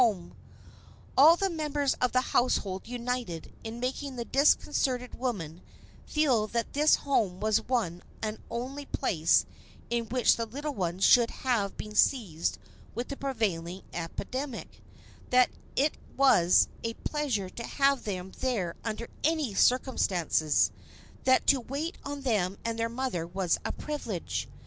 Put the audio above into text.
[Sidenote: AN IDEAL HOSTESS] All the members of the household united in making the disconcerted woman feel that this home was the one and only place in which the little ones should have been seized with the prevailing epidemic; that it was a pleasure to have them there under any circumstances; that to wait on them and their mother was a privilege.